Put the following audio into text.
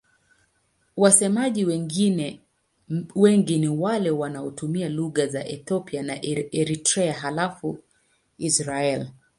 Wasemaji wengine wengi ni wale wanaotumia lugha za Ethiopia na Eritrea halafu Israel.